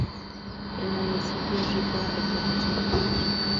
El municipio es rico en recursos hídricos.